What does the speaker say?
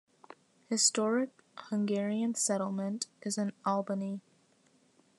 Historic Hungarian Settlement is in Albany.